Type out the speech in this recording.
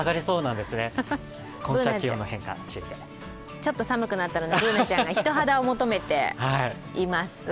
ちょっと寒くなったのでＢｏｏｎａちゃんが人肌を求めています。